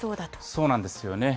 そうなんですよね。